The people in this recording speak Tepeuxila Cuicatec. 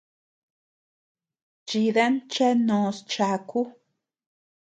Chidan cheanós chaku.